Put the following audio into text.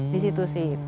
di situ sih